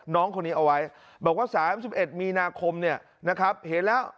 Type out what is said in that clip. น้องคนนี้เอาไว้บอกว่า๓๑มีนาคมเนี่ยนะครับเห็นแล้ว